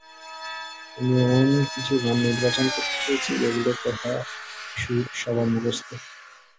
আমি এমন কিছু গান নির্বাচন করতে চেয়েছি, যেগুলোর কথা-সুর সবার মুখস্থ।